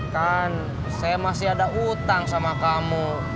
kan saya masih ada utang sama kamu